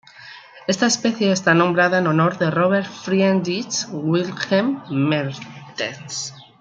Esta especie está nombrada en honor de Robert Friedrich Wilhelm Mertens.